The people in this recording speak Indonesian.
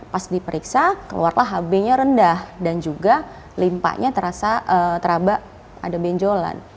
pas diperiksa keluarlah hb nya rendah dan juga limpanya terasa terabak ada benjolan